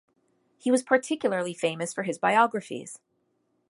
He was particularly famous for his biographies.